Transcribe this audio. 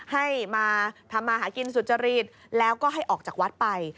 ให้มาทำมาหากินสุจริตแล้วก็ให้ออกจากวัดไป